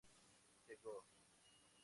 The Go!